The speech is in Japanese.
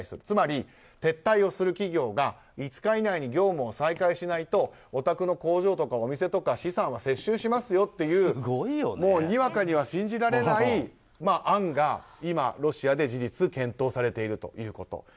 つまり撤退する企業が５日以内に業務を再開しないとおたくの工場やお店、資産は接収しますよというにわかには信じられない案が今ロシアで事実、検討されているということ。